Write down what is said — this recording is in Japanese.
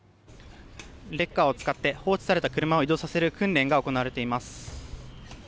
「レッカーを使って放置された車を移動させる訓練が行われています」